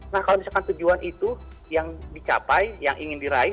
nah kalau misalkan tujuan itu yang dicapai yang ingin diraih